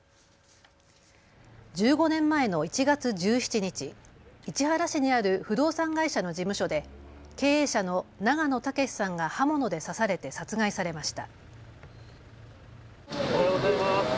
１５年前の１月１７日、市原市にある不動産会社の事務所で経営者の永野武さんが刃物で刺されて殺害されました。